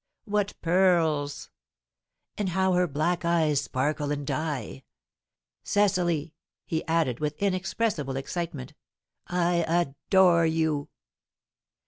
What pearls! And how her black eyes sparkle and die! Cecily," he added, with inexpressible excitement, "I adore you!"